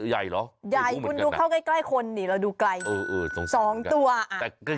ใหญ่คุณดูเข้าใกล้คนเราดูไกล๒ตัวอ่ะคุณเห็นไหม๒ตัว